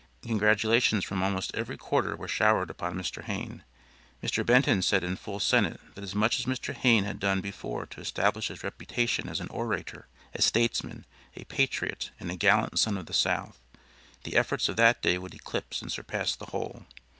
Congratulations from almost every quarter were showered upon Mr. Hayne. Mr. Benton said in full senate that as much as Mr. Hayne had done before to establish his reputation as an orator, a statesman, a patriot and a gallant son of the South; the efforts of that day would eclipse and surpass the whole.